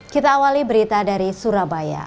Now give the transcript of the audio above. kita awali berita dari surabaya